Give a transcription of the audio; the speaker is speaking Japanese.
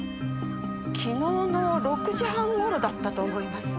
昨日の６時半頃だったと思います。